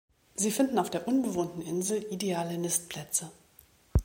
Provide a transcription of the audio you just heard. Sie finden auf der unbewohnten Insel ideale Nistplätze.